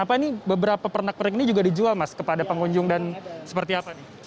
apa ini beberapa pernak pernik ini juga dijual mas kepada pengunjung dan seperti apa nih